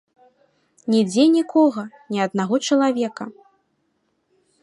Нідзе нікога, ні аднаго чалавека.